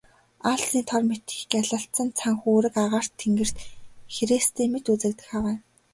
Аалзны тор мэт гялалзсан цан хүүрэг агаар тэнгэрт хэрээстэй мэт үзэгдэх авай.